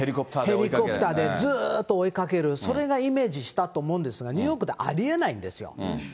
ヘリコプターでずっと追いかける、それがイメージしたと思うんですが、ニューヨークでありえないんですよ。